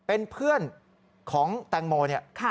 เป็นเพื่อนของแตงโมเนี่ย